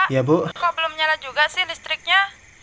kok belum nyala juga sih listriknya